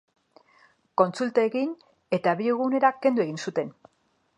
Kontsulta egin eta bi egunera kendu egin zuten.